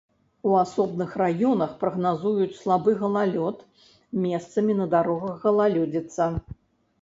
У асобных раёнах прагназуюць слабы галалёд, месцамі на дарогах галалёдзіца.